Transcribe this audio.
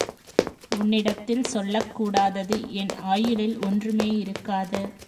உன்னிடத்தில் சொல்லக் கூடாதது என் ஆயுளில் ஒன்றுமே இருக்காது.